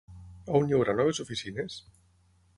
On hi haurà noves oficines?